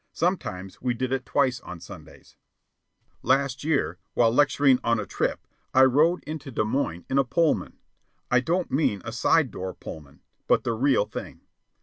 Sometimes we did it twice on Sundays. Last year, while on a lecturing trip, I rode into Des Moines in a Pullman I don't mean a "side door Pullman," but the real thing.